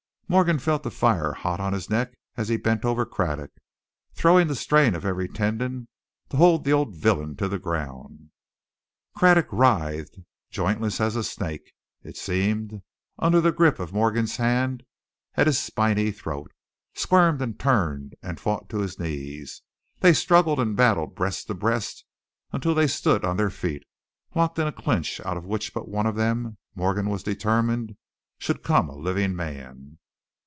Morgan felt the fire hot on his neck as he bent over Craddock, throwing the strain of every tendon to hold the old villain to the ground. Craddock writhed, jointless as a snake, it seemed, under the grip of Morgan's hand at his spiney throat, squirmed and turned and fought to his knees. They struggled and battled breast to breast, until they stood on their feet, locked in a clinch out of which but one of them, Morgan was determined, should come a living man.